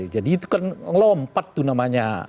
jadi itu kan ngelompat tuh namanya